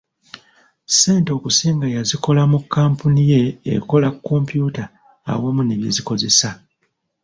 Ssente okusinga yazikola mu kkampuniye ekola kompyuta awamu n'ebyezikozesa.